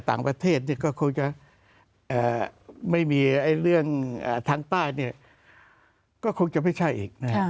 ต่างประเทศก็คงจะไม่มีเรื่องทางใต้ก็คงจะไม่ใช่อีก